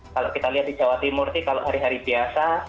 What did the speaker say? kalau kita lihat di jawa timur kalau hari hari biasa